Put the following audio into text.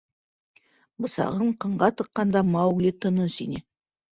— Бысағын ҡынға тыҡҡанда Маугли тыныс ине.